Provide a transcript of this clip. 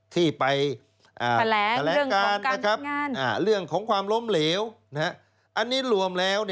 ที่ไปแผลการนะครับเรื่องของความล้มเหลวนะครับอันนี้รวมแล้ว